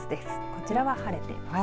こちらは晴れています。